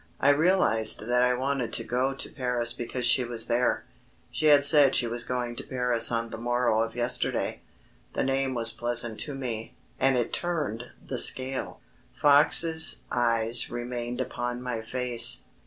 I realised that I wanted to go to Paris because she was there. She had said that she was going to Paris on the morrow of yesterday. The name was pleasant to me, and it turned the scale. Fox's eyes remained upon my face.